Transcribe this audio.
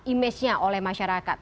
image nya oleh masyarakat